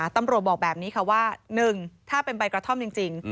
ตำรวจบอกแบบนี้ค่ะว่า๑ถ้าเป็นใบกระท่อมจริง